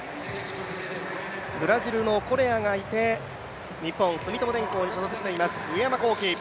ブラジルのコレアがいて日本、住友電工に所属しています上山紘輝。